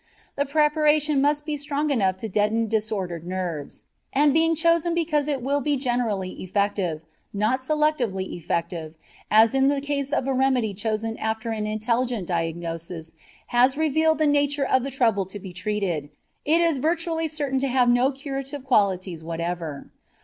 The preparation must be strong enough to deaden disordered nerves, and being chosen because it will be generally effective, not selectively effective, as in the case of a remedy chosen after an intelligent diagnosis has revealed the nature of the trouble to be treated, it is virtually certain to have no curative qualities whatever.